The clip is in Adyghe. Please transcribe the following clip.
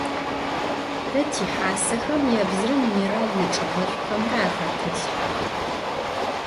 Тэ тихьасэхэм ебзырэ минеральнэ чӏыгъэшӏухэмрэ ахэтэлъхьэх.